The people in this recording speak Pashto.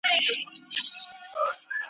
پردي خواړه يا پور دى يا پيغور `